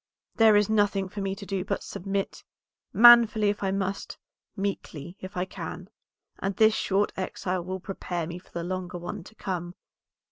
There is nothing for me to do but submit; manfully if I must, meekly if I can; and this short exile will prepare me for the longer one to come.